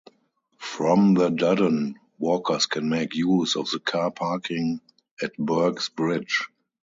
From the Duddon, walkers can make use of the car parking at Birks Bridge.